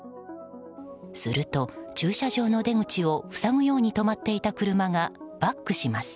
すると駐車場の出口を塞ぐように止まっていた車がバックします。